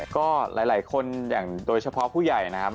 ก็หลายคนอย่างโดยเฉพาะผู้ใหญ่นะครับ